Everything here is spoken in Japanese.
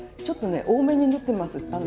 ちょっと多めに塗ってます。